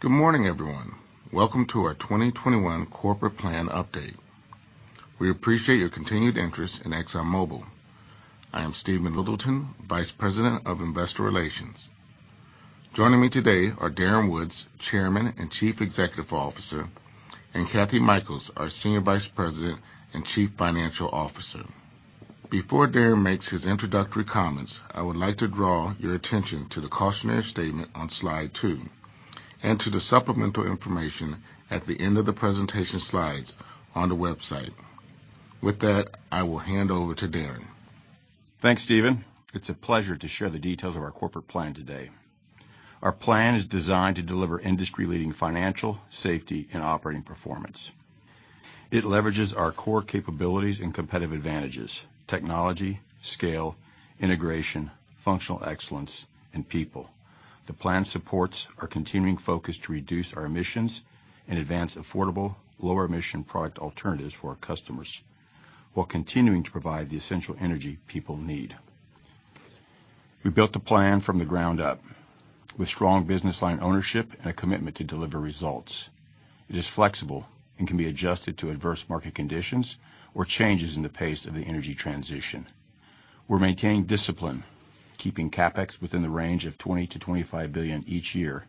Good morning, everyone. Welcome to our 2021 corporate plan update. We appreciate your continued interest in ExxonMobil. I am Stephen Littleton, Vice President of Investor Relations. Joining me today are Darren Woods, Chairman and Chief Executive Officer, and Kathryn Mikells, our Senior Vice President and Chief Financial Officer. Before Darren makes his introductory comments, I would like to draw your attention to the cautionary statement on slide two and to the supplemental information at the end of the presentation slides on the website. With that, I will hand over to Darren. Thanks, Stephen. It's a pleasure to share the details of our corporate plan today. Our plan is designed to deliver industry-leading financial, safety, and operating performance. It leverages our core capabilities and competitive advantages, technology, scale, integration, functional excellence, and people. The plan supports our continuing focus to reduce our emissions and advance affordable lower emission product alternatives for our customers while continuing to provide the essential energy people need. We built the plan from the ground up with strong business line ownership and a commitment to deliver results. It is flexible and can be adjusted to adverse market conditions or changes in the pace of the energy transition. We're maintaining discipline, keeping CapEx within the range of $20 billion-$25 billion each year,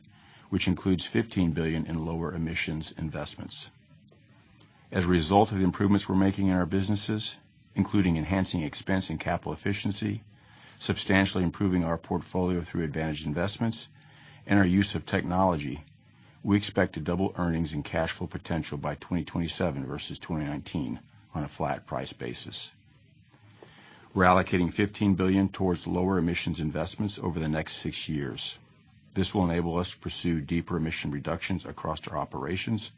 which includes $15 billion in lower emissions investments. As a result of the improvements we're making in our businesses, including enhancing expense and capital efficiency, substantially improving our portfolio through advantage investments and our use of technology, we expect to double earnings and cash flow potential by 2027 versus 2019 on a flat price basis. We're allocating $15 billion towards lower emissions investments over the next six years. This will enable us to pursue deeper emission reductions across our operations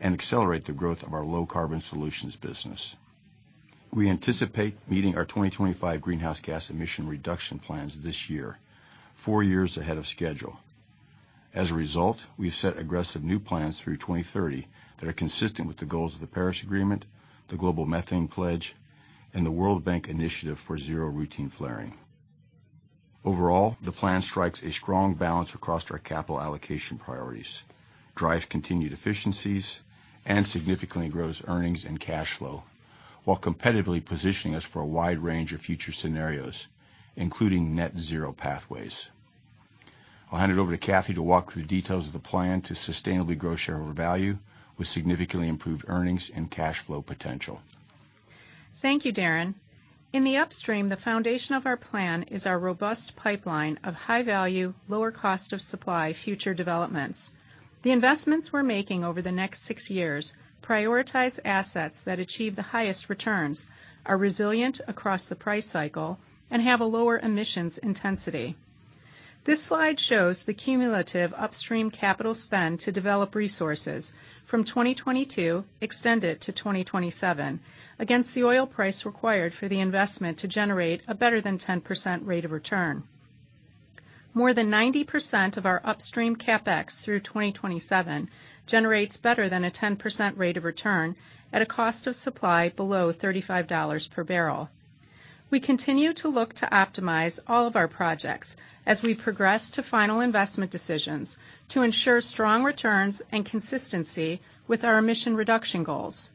and accelerate the growth of our Low Carbon Solutions business. We anticipate meeting our 2025 greenhouse gas emission reduction plans this year, four years ahead of schedule. As a result, we've set aggressive new plans through 2030 that are consistent with the goals of the Paris Agreement, the Global Methane Pledge, and the Zero Routine Flaring by 2030 Initiative. Overall, the plan strikes a strong balance across our capital allocation priorities, drives continued efficiencies, and significantly grows earnings and cash flow, while competitively positioning us for a wide range of future scenarios, including net zero pathways. I'll hand it over to Kathryn to walk through the details of the plan to sustainably grow shareholder value with significantly improved earnings and cash flow potential. Thank you, Darren. In the Upstream, the foundation of our plan is our robust pipeline of high-value, lower cost of supply future developments. The investments we're making over the next six years prioritize assets that achieve the highest returns, are resilient across the price cycle, and have a lower emissions intensity. This slide shows the cumulative Upstream capital spend to develop resources from 2022 extended to 2027 against the oil price required for the investment to generate a better than 10% rate of return. More than 90% of our Upstream CapEx through 2027 generates better than a 10% rate of return at a cost of supply below $35 per barrel. We continue to look to optimize all of our projects as we progress to final investment decisions to ensure strong returns and consistency with our emission reduction goals.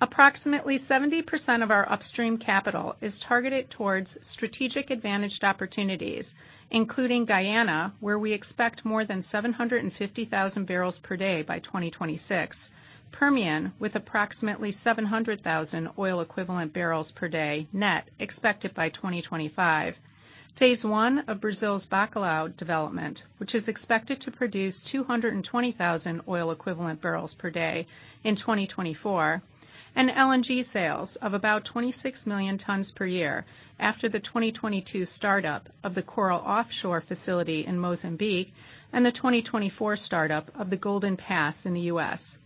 Approximately 70% of our Upstream capital is targeted towards strategic advantaged opportunities, including Guyana, where we expect more than 750,000 barrels per day by 2026. Permian, with approximately 700,000 oil equivalent barrels per day net expected by 2025. Phase I of Brazil's Bacalhau development, which is expected to produce 220,000 oil equivalent barrels per day in 2024. LNG sales of about 26 million tons per year after the 2022 startup of the Coral offshore facility in Mozambique and the 2024 startup of the Golden Pass in the U.S.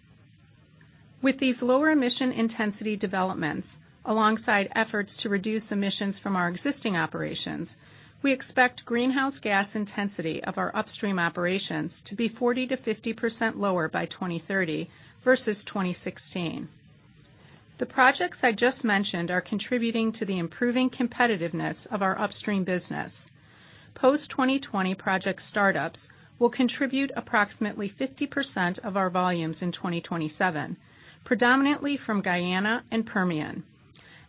With these lower emission intensity developments, alongside efforts to reduce emissions from our existing operations, we expect greenhouse gas intensity of our Upstream operations to be 40%-50% lower by 2030 versus 2016. The projects I just mentioned are contributing to the improving competitiveness of our Upstream business. Post-2020 project startups will contribute approximately 50% of our volumes in 2027, predominantly from Guyana and Permian.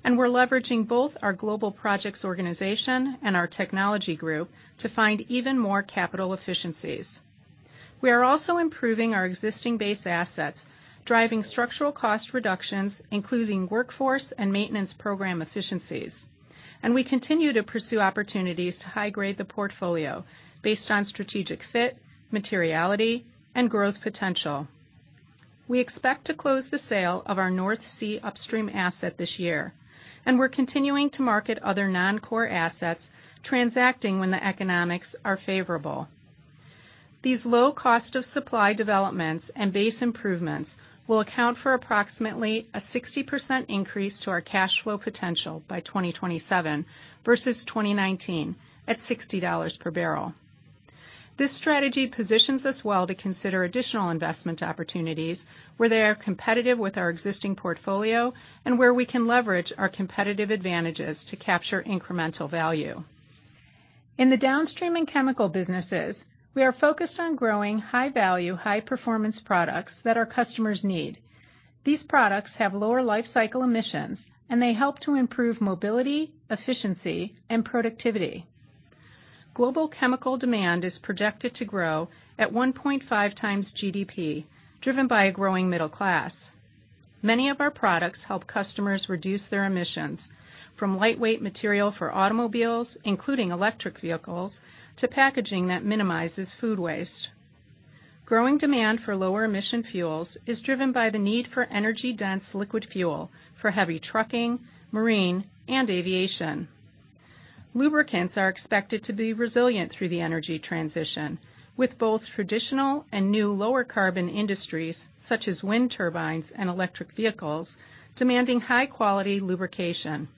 We're leveraging both our global projects organization and our technology group to find even more capital efficiencies. We are also improving our existing base assets, driving structural cost reductions, including workforce and maintenance program efficiencies. We continue to pursue opportunities to high grade the portfolio based on strategic fit, materiality, and growth potential. We expect to close the sale of our North Sea Upstream asset this year, and we're continuing to market other non-core assets, transacting when the economics are favorable. These low cost of supply developments and base improvements will account for approximately a 60% increase to our cash flow potential by 2027 versus 2019 at $60 per barrel. This strategy positions us well to consider additional investment opportunities where they are competitive with our existing portfolio and where we can leverage our competitive advantages to capture incremental value. In the downstream and chemical businesses, we are focused on growing high-value, high-performance products that our customers need. These products have lower life cycle emissions, and they help to improve mobility, efficiency and productivity. Global chemical demand is projected to grow at 1.5 times GDP, driven by a growing middle class. Many of our products help customers reduce their emissions from lightweight material for automobiles, including electric vehicles, to packaging that minimizes food waste. Growing demand for lower emission fuels is driven by the need for energy dense liquid fuel for heavy trucking, marine and aviation. Lubricants are expected to be resilient through the energy transition, with both traditional and new lower carbon industries, such as wind turbines and electric vehicles, demanding high quality lubrication.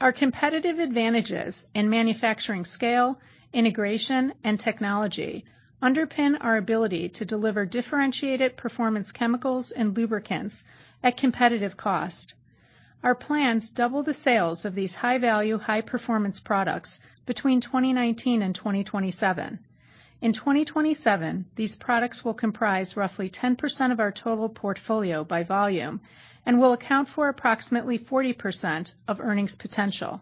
Our competitive advantages in manufacturing scale, integration and technology underpin our ability to deliver differentiated performance chemicals and lubricants at competitive cost. Our plans double the sales of these high-value, high-performance products between 2019 and 2027. In 2027, these products will comprise roughly 10% of our total portfolio by volume and will account for approximately 40% of earnings potential.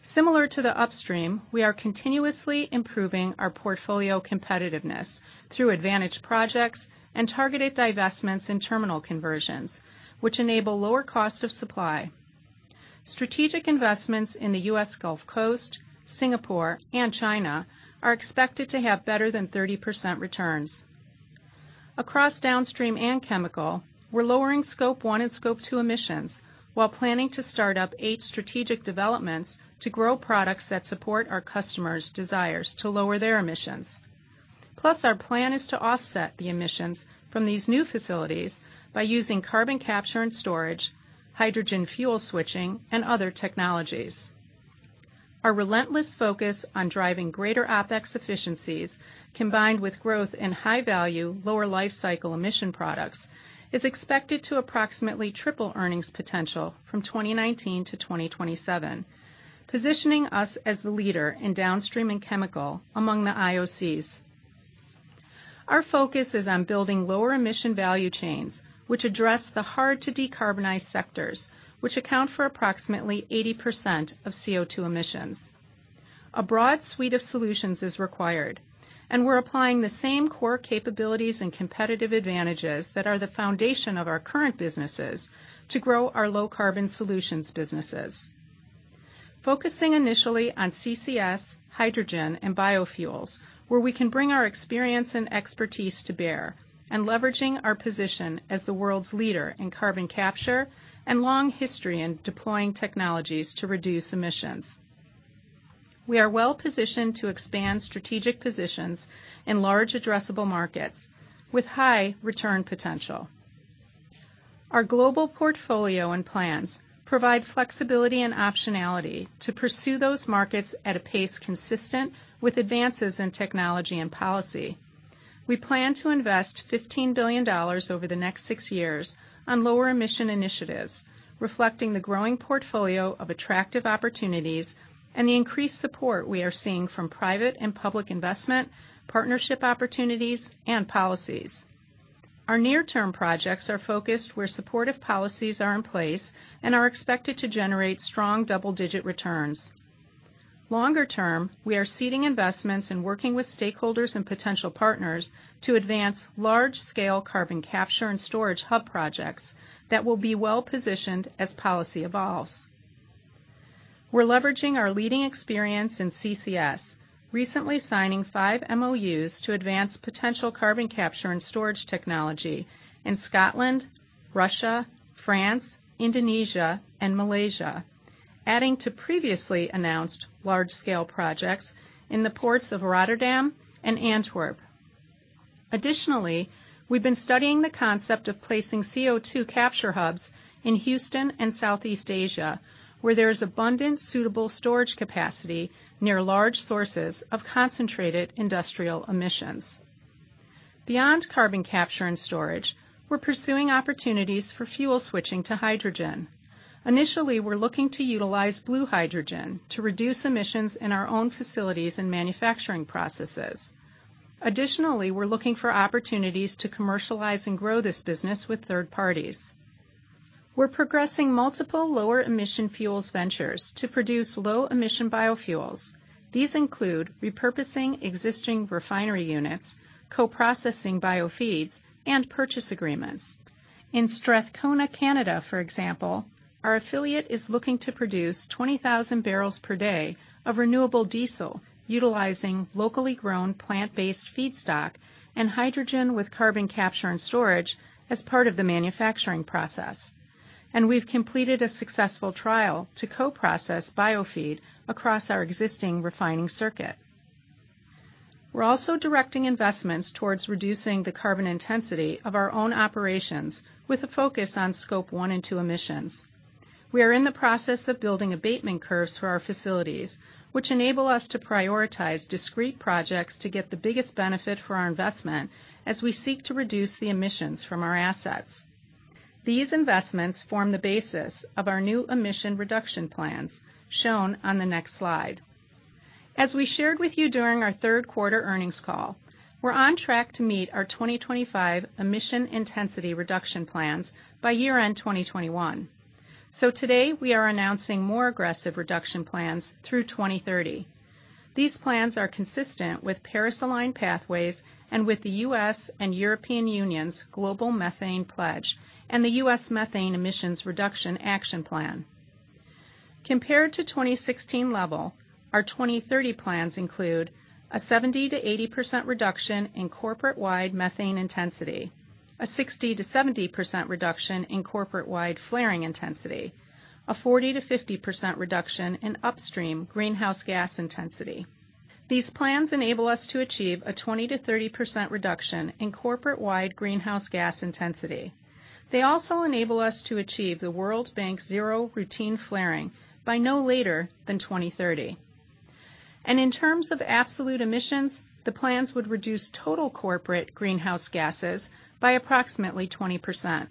Similar to the upstream, we are continuously improving our portfolio competitiveness through advantage projects and targeted divestments in terminal conversions, which enable lower cost of supply. Strategic investments in the U.S. Gulf Coast, Singapore and China are expected to have better than 30% returns. Across downstream and chemical, we're lowering Scope 1 and Scope 2 emissions while planning to start up 8 strategic developments to grow products that support our customers' desires to lower their emissions. Plus, our plan is to offset the emissions from these new facilities by using carbon capture and storage, hydrogen fuel switching and other technologies. Our relentless focus on driving greater OpEx efficiencies combined with growth in high value, lower life cycle emission products, is expected to approximately triple earnings potential from 2019 to 2027, positioning us as the leader in downstream and chemical among the IOCs. Our focus is on building lower emission value chains, which address the hard to decarbonize sectors, which account for approximately 80% of CO2 emissions. A broad suite of solutions is required, and we're applying the same core capabilities and competitive advantages that are the foundation of our current businesses to grow our Low Carbon Solutions businesses, focusing initially on CCS, hydrogen and biofuels, where we can bring our experience and expertise to bear, and leveraging our position as the world's leader in carbon capture and long history in deploying technologies to reduce emissions. We are well-positioned to expand strategic positions in large addressable markets with high return potential. Our global portfolio and plans provide flexibility and optionality to pursue those markets at a pace consistent with advances in technology and policy. We plan to invest $15 billion over the next six years on lower-emission initiatives, reflecting the growing portfolio of attractive opportunities and the increased support we are seeing from private and public investment, partnership opportunities and policies. Our near-term projects are focused where supportive policies are in place and are expected to generate strong double-digit returns. Longer term, we are seeding investments and working with stakeholders and potential partners to advance large-scale carbon capture and storage hub projects that will be well positioned as policy evolves. We're leveraging our leading experience in CCS, recently signing five MOUs to advance potential carbon capture and storage technology in Scotland, Russia, France, Indonesia and Malaysia, adding to previously announced large-scale projects in the ports of Rotterdam and Antwerp. Additionally, we've been studying the concept of placing CO2 capture hubs in Houston and Southeast Asia, where there is abundant suitable storage capacity near large sources of concentrated industrial emissions. Beyond carbon capture and storage, we're pursuing opportunities for fuel switching to hydrogen. Initially, we're looking to utilize blue hydrogen to reduce emissions in our own facilities and manufacturing processes. Additionally, we're looking for opportunities to commercialize and grow this business with third parties. We're progressing multiple lower emission fuels ventures to produce low emission biofuels. These include repurposing existing refinery units, co-processing biofeeds, and purchase agreements. In Strathcona, Canada, for example, our affiliate is looking to produce 20,000 barrels per day of renewable diesel utilizing locally grown plant-based feedstock and hydrogen with carbon capture and storage as part of the manufacturing process. We've completed a successful trial to co-process biofeed across our existing refining circuit. We're also directing investments towards reducing the carbon intensity of our own operations with a focus on Scope 1 and 2 emissions. We are in the process of building abatement curves for our facilities, which enable us to prioritize discrete projects to get the biggest benefit for our investment as we seek to reduce the emissions from our assets. These investments form the basis of our new emission reduction plans shown on the next slide. As we shared with you during our third quarter earnings call, we're on track to meet our 2025 emission intensity reduction plans by year-end 2021. Today, we are announcing more aggressive reduction plans through 2030. These plans are consistent with Paris-aligned pathways and with the U.S. and European Union's Global Methane Pledge and the U.S. Methane Emissions Reduction Action Plan. Compared to 2016 level, our 2030 plans include a 70%-80% reduction in corporate-wide methane intensity, a 60%-70% reduction in corporate-wide flaring intensity, a 40%-50% reduction in upstream greenhouse gas intensity. These plans enable us to achieve a 20%-30% reduction in corporate-wide greenhouse gas intensity. They also enable us to achieve the World Bank Zero Routine Flaring by no later than 2030. In terms of absolute emissions, the plans would reduce total corporate greenhouse gases by approximately 20%.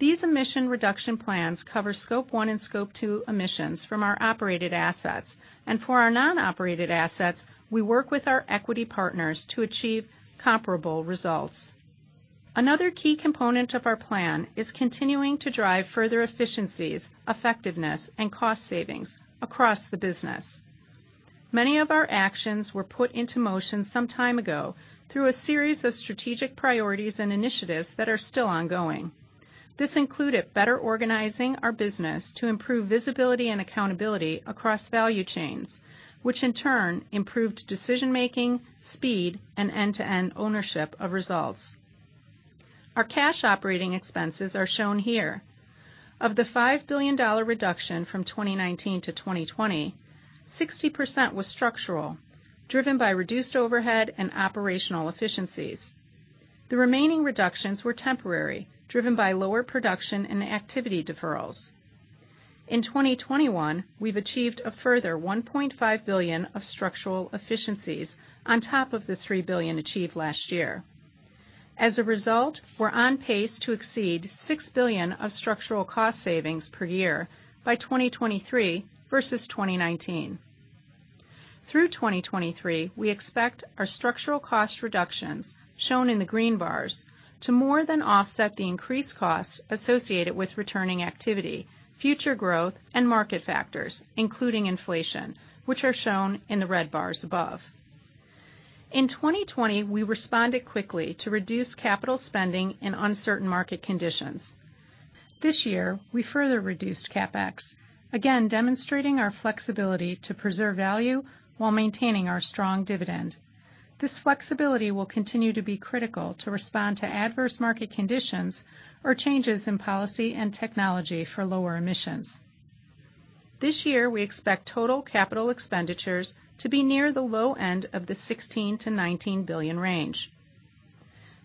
These emission reduction plans cover Scope 1 and Scope 2 emissions from our operated assets. For our non-operated assets, we work with our equity partners to achieve comparable results. Another key component of our plan is continuing to drive further efficiencies, effectiveness, and cost savings across the business. Many of our actions were put into motion some time ago through a series of strategic priorities and initiatives that are still ongoing. This included better organizing our business to improve visibility and accountability across value chains, which in turn improved decision-making, speed, and end-to-end ownership of results. Our cash operating expenses are shown here. Of the $5 billion reduction from 2019 to 2020, 60% was structural, driven by reduced overhead and operational efficiencies. The remaining reductions were temporary, driven by lower production and activity deferrals. In 2021, we've achieved a further $1.5 billion of structural efficiencies on top of the $3 billion achieved last year. As a result, we're on pace to exceed $6 billion of structural cost savings per year by 2023 versus 2019. Through 2023, we expect our structural cost reductions, shown in the green bars, to more than offset the increased cost associated with returning activity, future growth, and market factors, including inflation, which are shown in the red bars above. In 2020, we responded quickly to reduce capital spending in uncertain market conditions. This year, we further reduced CapEx, again, demonstrating our flexibility to preserve value while maintaining our strong dividend. This flexibility will continue to be critical to respond to adverse market conditions or changes in policy and technology for lower emissions. This year, we expect total capital expenditures to be near the low end of the $16 billion-$19 billion range.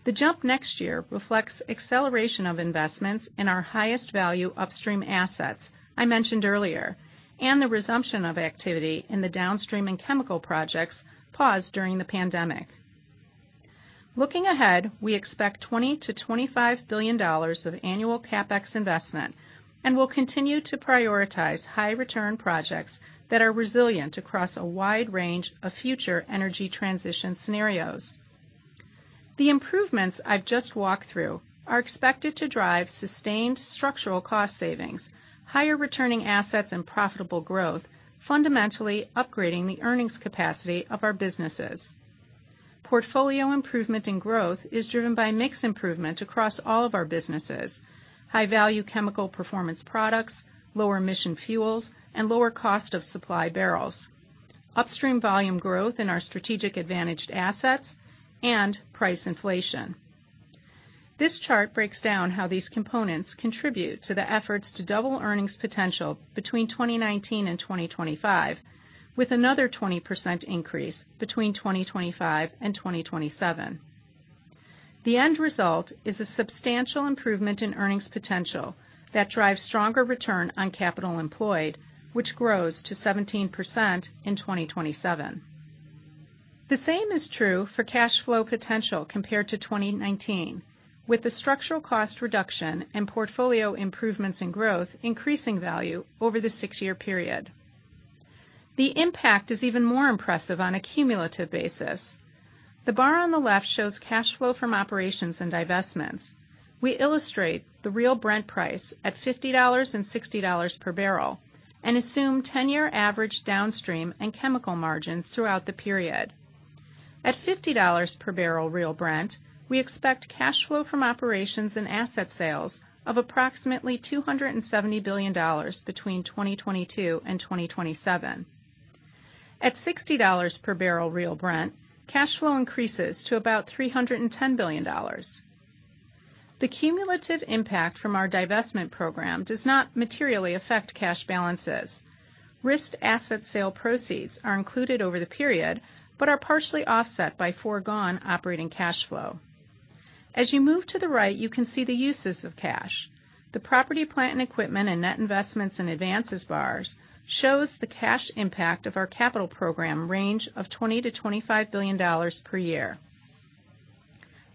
The jump next year reflects acceleration of investments in our highest value upstream assets I mentioned earlier, and the resumption of activity in the downstream and chemical projects paused during the pandemic. Looking ahead, we expect $20 billion-$25 billion of annual CapEx investment and will continue to prioritize high return projects that are resilient across a wide range of future energy transition scenarios. The improvements I've just walked through are expected to drive sustained structural cost savings, higher returning assets, and profitable growth, fundamentally upgrading the earnings capacity of our businesses. Portfolio improvement in growth is driven by mix improvement across all of our businesses, high-value chemical performance products, lower emission fuels, and lower cost of supply barrels, upstream volume growth in our strategic advantaged assets, and price inflation. This chart breaks down how these components contribute to the efforts to double earnings potential between 2019 and 2025, with another 20% increase between 2025 and 2027. The end result is a substantial improvement in earnings potential that drives stronger return on capital employed, which grows to 17% in 2027. The same is true for cash flow potential compared to 2019, with the structural cost reduction and portfolio improvements in growth increasing value over the six-year period. The impact is even more impressive on a cumulative basis. The bar on the left shows cash flow from operations and divestments. We illustrate the real Brent price at $50 and $60 per barrel and assume 10-year average downstream and chemical margins throughout the period. At $50 per barrel real Brent, we expect cash flow from operations and asset sales of approximately $270 billion between 2022 and 2027. At $60 per barrel real Brent, cash flow increases to about $310 billion. The cumulative impact from our divestment program does not materially affect cash balances. Risk asset sale proceeds are included over the period, but are partially offset by foregone operating cash flow. As you move to the right, you can see the uses of cash. The property, plant, and equipment and net investments and advances bars shows the cash impact of our capital program range of $20 billion-$25 billion per year.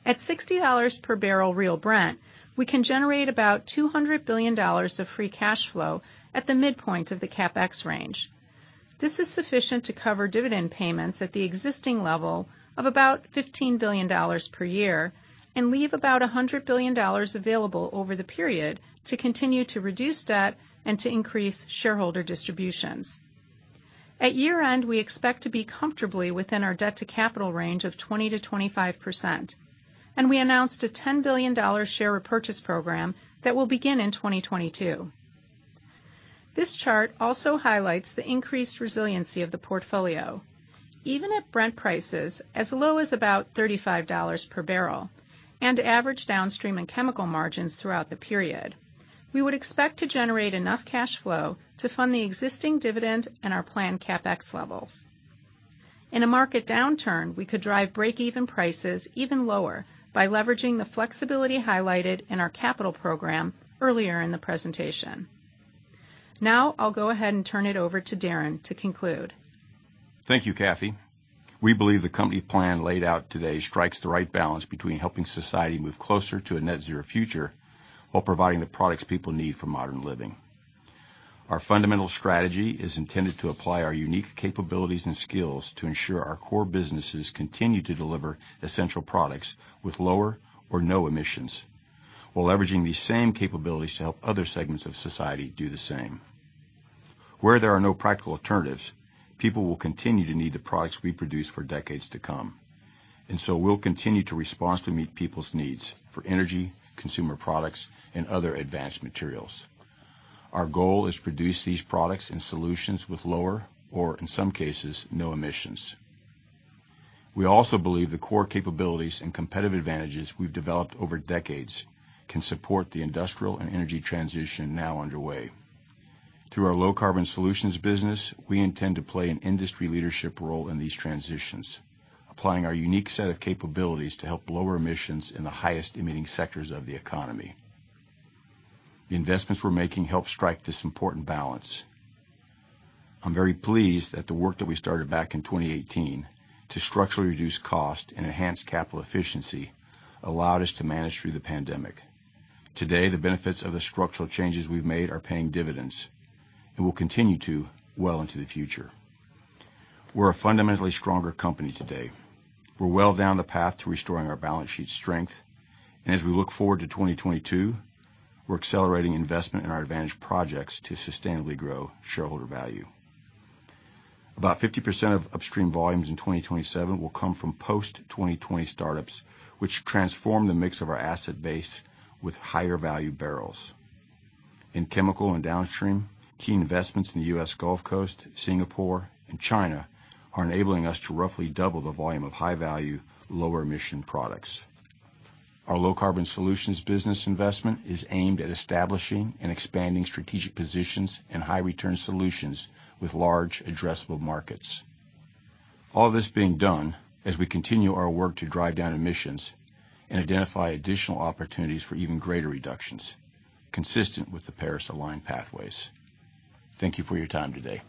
At $60 per barrel real Brent, we can generate about $200 billion of free cash flow at the midpoint of the CapEx range. This is sufficient to cover dividend payments at the existing level of about $15 billion per year and leave about $100 billion available over the period to continue to reduce debt and to increase shareholder distributions. At year-end, we expect to be comfortably within our debt to capital range of 20%-25%, and we announced a $10 billion share repurchase program that will begin in 2022. This chart also highlights the increased resiliency of the portfolio. Even at Brent prices as low as about $35 per barrel and average downstream and chemical margins throughout the period, we would expect to generate enough cash flow to fund the existing dividend and our planned CapEx levels. In a market downturn, we could drive break-even prices even lower by leveraging the flexibility highlighted in our capital program earlier in the presentation. Now I'll go ahead and turn it over to Darren to conclude. Thank you, Kathy. We believe the company plan laid out today strikes the right balance between helping society move closer to a net zero future while providing the products people need for modern living. Our fundamental strategy is intended to apply our unique capabilities and skills to ensure our core businesses continue to deliver essential products with lower or no emissions, while leveraging these same capabilities to help other segments of society do the same. Where there are no practical alternatives, people will continue to need the products we produce for decades to come, and so we'll continue to responsibly meet people's needs for energy, consumer products, and other advanced materials. Our goal is to produce these products and solutions with lower, or in some cases, no emissions. We also believe the core capabilities and competitive advantages we've developed over decades can support the industrial and energy transition now underway. Through our Low Carbon Solutions business, we intend to play an industry leadership role in these transitions, applying our unique set of capabilities to help lower emissions in the highest emitting sectors of the economy. The investments we're making help strike this important balance. I'm very pleased that the work that we started back in 2018 to structurally reduce cost and enhance capital efficiency allowed us to manage through the pandemic. Today, the benefits of the structural changes we've made are paying dividends and will continue to well into the future. We're a fundamentally stronger company today. We're well down the path to restoring our balance sheet strength. As we look forward to 2022, we're accelerating investment in our advantage projects to sustainably grow shareholder value. About 50% of upstream volumes in 2027 will come from post-2020 startups, which transform the mix of our asset base with higher value barrels. In chemical and downstream, key investments in the U.S. Gulf Coast, Singapore and China are enabling us to roughly double the volume of high-value, lower emission products. Our Low Carbon Solutions business investment is aimed at establishing and expanding strategic positions and high return solutions with large addressable markets. All this being done as we continue our work to drive down emissions and identify additional opportunities for even greater reductions consistent with the Paris-aligned pathways. Thank you for your time today.